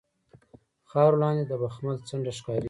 خاورو لاندې د بخمل څنډه ښکاریږي